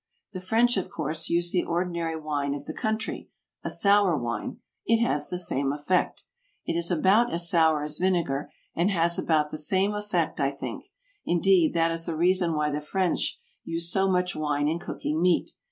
The French, of course, use the ordinary wine of the country, a sour wine, it has the same effect; it is about as sour as vinegar, and has about the same effect. I think, indeed, that is the reason why the French use so much wine in cooking meat.